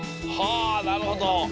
あなるほど。